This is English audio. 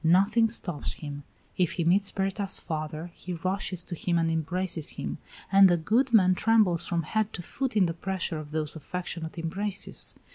Nothing stops him. If he meets Berta's father, he rushes to him and embraces him, and the good man trembles from head to foot in the pressure of those affectionate embraces.